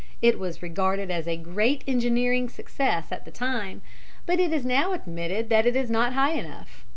It was regarded as a great engineering success at the time, but it is now admitted that it is not high enough.